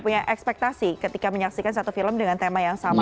punya ekspektasi ketika menyaksikan satu film dengan tema yang sama